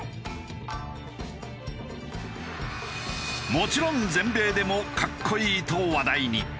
もちろん全米でも「格好いい」と話題に。